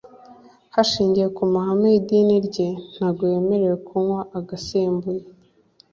Hashingiwe ku mahame yidini rye ntago yemerewe kunywa agasembuye